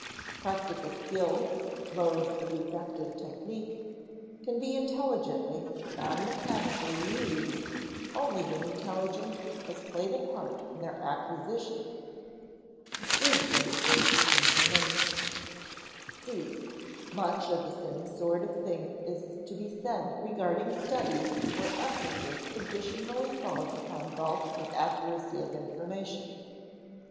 Practical skill, modes of effective technique, can be intelligently, non mechanically used, only when intelligence has played a part in their acquisition. [Sidenote: Wisdom versus information] (c) Much the same sort of thing is to be said regarding studies where emphasis traditionally falls upon bulk and accuracy of information.